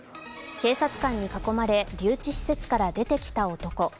警察官に囲まれ留置施設から出てきた男。